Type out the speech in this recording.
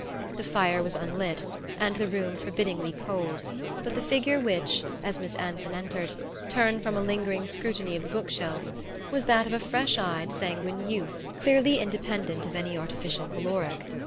The fire was unlit and the room forbiddingly cold; but the figure which, as Miss Anson entered, turned from a lingering scrutiny of the book shelves, was that of a fresh eyed sanguine youth clearly independent of any artificial caloric.